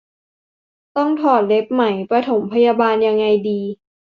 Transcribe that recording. ต้องถอดเล็บไหม ปฐมพยาบาลยังไงดี